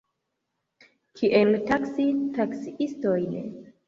Kiel taksi taksiistojn?